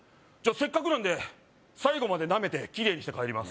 せっかくなんで最後までなめてキレイにして帰ります